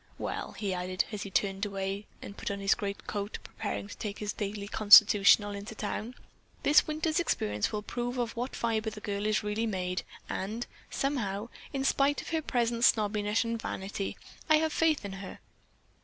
Well," he added, as he turned away and put on his great coat preparing to take his daily constitutional into town, "this winter's experience will prove of what fiber the girl is really made, and, somehow, in spite of her present snobbishness and vanity, I have faith in her."